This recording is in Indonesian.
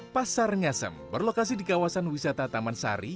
pasar ngasem berlokasi di kawasan wisata taman sari